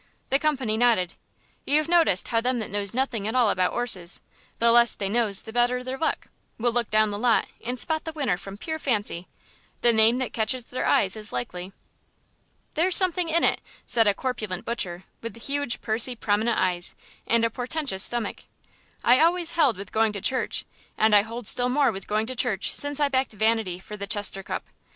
The company nodded. "You've noticed how them that knows nothing at all about 'orses the less they knows the better their luck will look down the lot and spot the winner from pure fancy the name that catches their eyes as likely." "There's something in it," said a corpulent butcher with huge, pursy, prominent eyes and a portentous stomach. "I always held with going to church, and I hold still more with going to church since I backed Vanity for the Chester Cup.